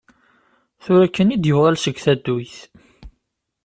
Tura kan i d-yuɣal seg tadduyt.